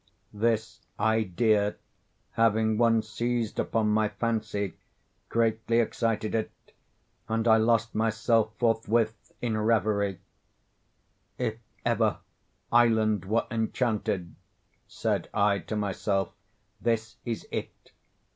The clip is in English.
This idea, having once seized upon my fancy, greatly excited it, and I lost myself forthwith in revery. "If ever island were enchanted," said I to myself, "this is it.